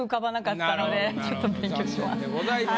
ちょっと勉強します。